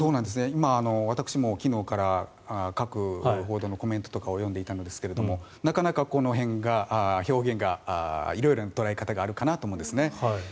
今、私も昨日から各報道のコメントとかを読んでいたんですがなかなかこの辺が表現が色々な捉え方があるかなと思うんです。